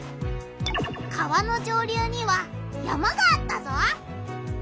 川の上流には山があったぞ！